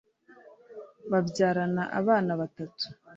babyarana abana batatu